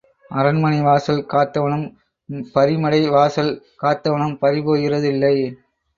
அரண்மனை வாசல் காத்தவனும் பறிமடை வாசல் காத்தவனும் பறிபோகிறது இல்லை.